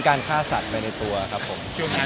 การฆ่าสัตว์ไปในตัวครับผม